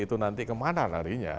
itu nanti kemana larinya